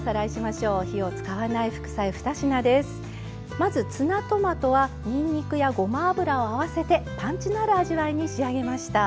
まずツナトマトはにんにくやごま油を合わせてパンチのある味わいに仕上げました。